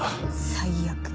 最悪。